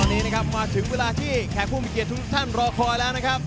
ตอนนี้นะครับมาถึงเวลาที่แขกผู้มีเกียรติทุกท่านรอคอยแล้วนะครับ